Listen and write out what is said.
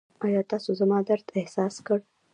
ایا تاسو زما درد احساس کړ؟